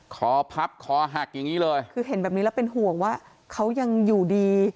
คอพับคอหักอย่างนี้เลยคือเห็นแบบนี้แล้วเป็นห่วงว่าเขายังอยู่ดี